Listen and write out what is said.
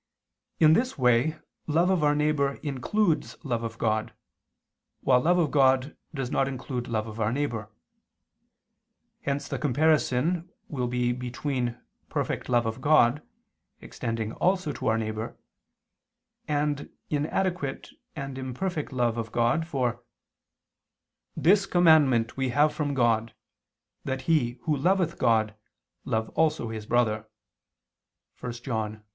In this way love of our neighbor includes love of God, while love of God does not include love of our neighbor. Hence the comparison will be between perfect love of God, extending also to our neighbor, and inadequate and imperfect love of God, for "this commandment we have from God, that he, who loveth God, love also his brother" (1 John 4:21).